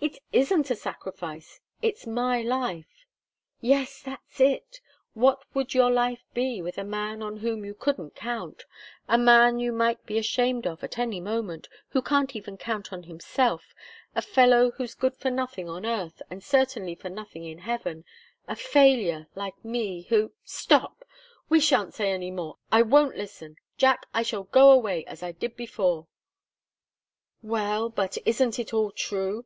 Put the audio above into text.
"It isn't a sacrifice it's my life." "Yes that's it! What would your life be, with a man on whom you couldn't count a man you might be ashamed of, at any moment who can't even count on himself a fellow who's good for nothing on earth, and certainly for nothing in heaven a failure, like me, who " "Stop! You shan't say any more. I won't listen! Jack, I shall go away, as I did before " "Well but isn't it all true?"